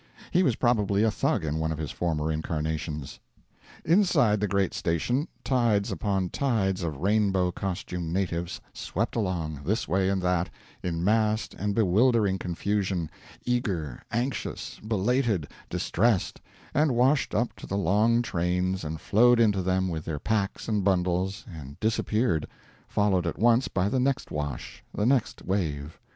He was probably a Thug in one of his former incarnations. Inside the great station, tides upon tides of rainbow costumed natives swept along, this way and that, in massed and bewildering confusion, eager, anxious, belated, distressed; and washed up to the long trains and flowed into them with their packs and bundles, and disappeared, followed at once by the next wash, the next wave.